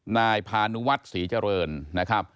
นายพานุวัฒน์ศรีเจริญนะครับ